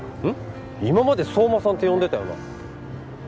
今まで「相馬さん」って呼んでたよなあ